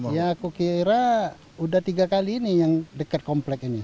ya aku kira udah tiga kali ini yang dekat komplek ini